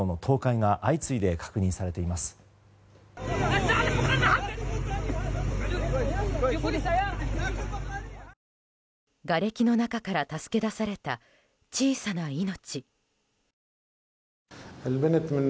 がれきの中から助け出された小さな命。